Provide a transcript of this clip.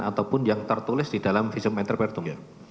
ataupun yang tertulis di dalam fisiometripertum